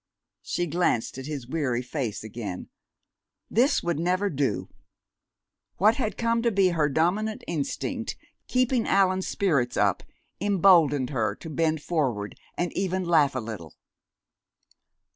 She glanced at his weary face again. This would never do! What had come to be her dominant instinct, keeping Allan's spirits up, emboldened her to bend forward, and even laugh a little.